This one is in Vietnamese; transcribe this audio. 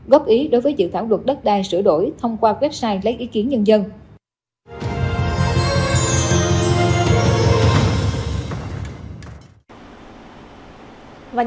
góp ý đối với dự thảo đất tài sửa đổi thông qua website lấy ý kiến nhân dân